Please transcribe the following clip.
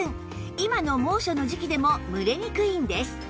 今の猛暑の時期でも蒸れにくいんです